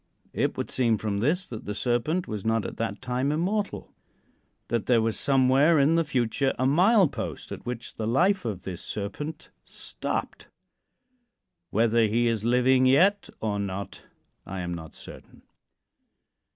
It would seem from this that the Serpent was not at that time immortal that there was somewhere in the future a milepost at which the life of this Serpent stopped. Whether he is living yet or not, I am not certain.